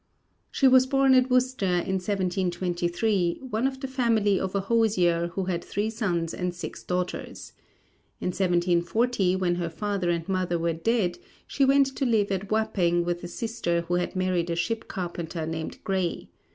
She was born at Worcester in 1723, one of the family of a hosier who had three sons and six daughters. In 1740, when her father and mother were dead, she went to live at Wapping with a sister who had married a ship carpenter named Gray.